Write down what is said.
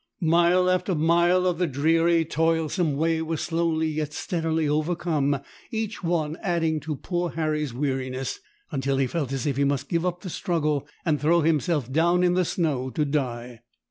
Mile after mile of the dreary, toilsome way was slowly yet steadily overcome, each one adding to poor Harry's weariness, until he felt as if he must give up the struggle and throw himself down in the snow to die.